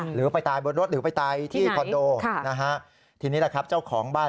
หรือไปตายบนรถหรือไปตายที่คอนโดนะฮะทีนี้แหละครับเจ้าของบ้าน